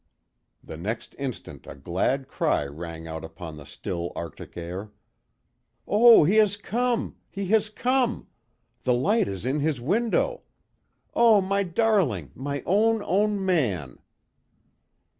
The next instant a glad cry rang out upon the still Arctic air. "Oh, he has come! He has come! The light is in his window! Oh, my darling! My own, own man!"